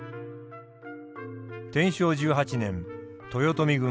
天正１８年豊臣軍